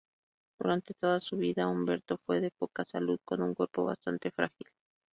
Durante toda su vida Umberto fue de poca salud con un cuerpo bastante frágil.